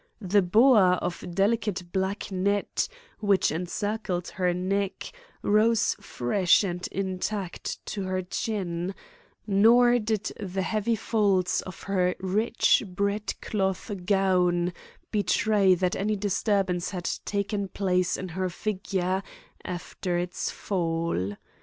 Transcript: The boa of delicate black net which encircled her neck rose fresh and intact to her chin; nor did the heavy folds of her rich broadcloth gown betray that any disturbance had taken place in her figure after its fall.